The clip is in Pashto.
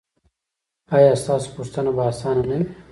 ایا ستاسو پوښتنه به اسانه نه وي؟